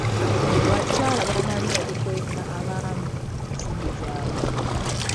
Abakyala bamanyi okukweka abaami ensimbi zaabwe.